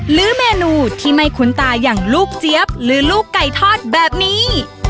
หรือเมนูที่ไม่คุ้นตาอย่างลูกเจี๊ยบหรือลูกไก่ทอดแบบนี้